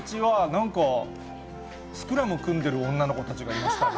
なんかスクラム組んでる女の子たちがいますね。